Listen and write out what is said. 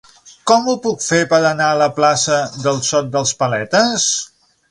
Com ho puc fer per anar a la plaça del Sot dels Paletes?